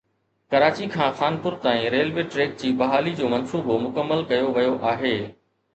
ڪراچي کان خانپور تائين railway track جي بحالي جو منصوبو مڪمل ڪيو ويو آهي